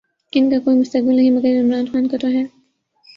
ان کا کوئی مستقبل نہیں، مگر عمران خان کا تو ہے۔